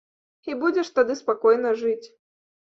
І будзеш тады спакойна жыць.